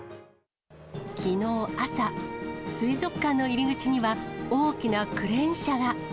きのう朝、水族館の入り口には、大きなクレーン車が。